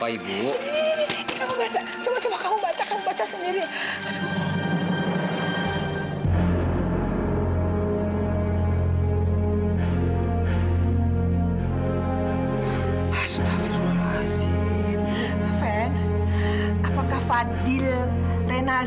ibu cepat api ya